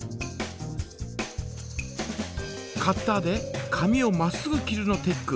カッターで紙をまっすぐ切るのテック。